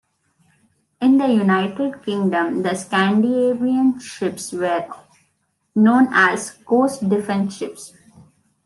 In the United Kingdom the Scandinavian ships were known as "coast defence ships".